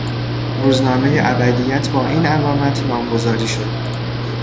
روزنامه "ابدیت" با این علامت نامگذاری شد.